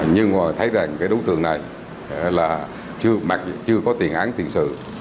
nhưng mà thấy rằng cái đối tượng này là chưa có tiền án tiền sự